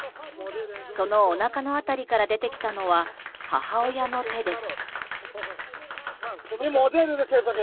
そのおなかの辺りから出てきたのは母親の手です。